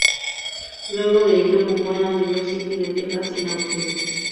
Luego de ello jugó en la University de Texas en Austin.